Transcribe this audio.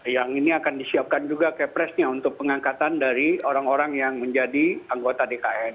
yang ini akan disiapkan juga kepresnya untuk pengangkatan dari orang orang yang menjadi anggota dkn